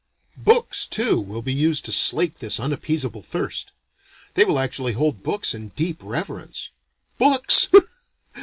Books too will be used to slake this unappeasable thirst. They will actually hold books in deep reverence. Books!